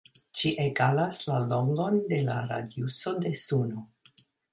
Ĝi egalas la longon de la radiuso de Suno.